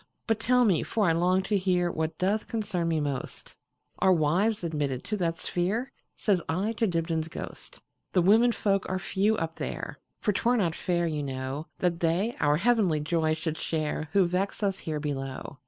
"But tell me, for I long to hearWhat doth concern me most, Are wives admitted to that sphere?"Says I to Dibdin's ghost."The women folk are few up there; For 't were not fair, you know, That they our heavenly joy should shareWho vex us here below.